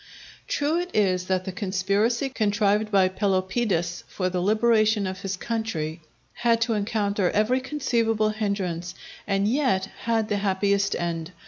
True it is that the conspiracy contrived by Pelopidas for the liberation of his country, had to encounter every conceivable hindrance, and yet had the happiest end.